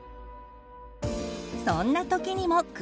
そんな時にもクエン酸。